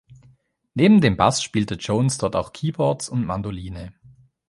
Neben dem Bass spielte Jones dort auch Keyboards und Mandoline.